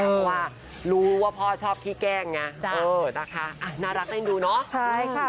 เพราะว่ารู้ว่าพ่อชอบที่แกล้งาก็น่ารักได้ดูเนาะ